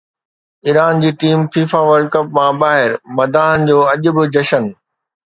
Iran جي team FIFA World Cup مان ٻاهر، مداحن جو اڄ به جشن